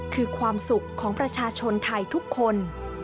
คือความสุขของประชาชนไทยทุกคน